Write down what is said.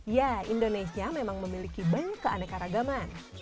ya indonesia memang memiliki banyak keanekaragaman